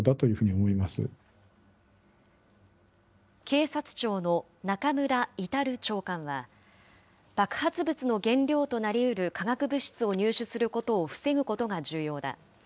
警察庁の中村格長官は、爆発物の原料となりうる化学物質を入手することを防ぐことが重要だ。